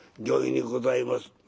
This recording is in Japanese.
「御意にございます」。